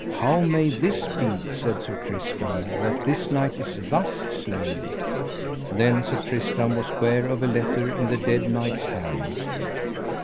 How may this be, said Sir Tristram, that this knight is thus slain? Then Sir Tristram was ware of a letter in the dead knight's hand.